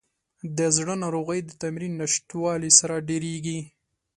د زړه ناروغۍ د تمرین نشتوالي سره ډېریږي.